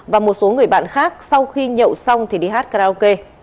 và một số người bạn khác sau khi nhậu xong thì đi hát karaoke